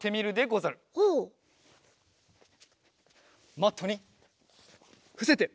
マットにふせて。